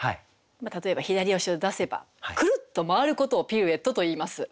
例えば左足を出せばくるっと回ることをピルエットといいます。